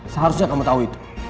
seharusnya kamu tahu itu